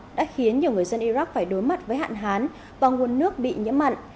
đã khiến nhiều người dân iraq phải đối mặt với hạn hán và nguồn nước bị nhiễm mặn